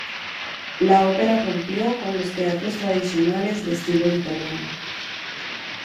La ópera rompió con los teatros tradicionales de estilo italiano.